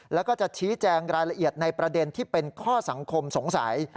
แล้วก็จะชี้แจงรายละเอียดในประเด็นที่เป็นข้อสังคมสงสัย